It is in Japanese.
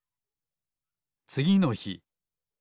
つぎのひ。